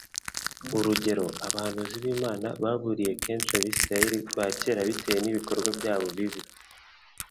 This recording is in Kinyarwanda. Urugero, abahanuzi b'Imana baburiye kenshi Abisirayeli ba kera bitewe n'ibikorwa byabo bibi